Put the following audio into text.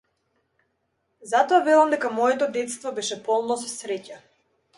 Затоа велам дека моето детство беше полно со среќа.